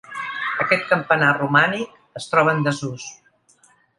Aquest campanar romànic es troba en desús.